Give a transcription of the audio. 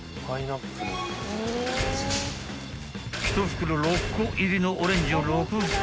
［１袋６個入りのオレンジを６袋］